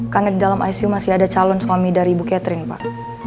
karena di dalam icu masih ada calon suami dari ibu catherine pak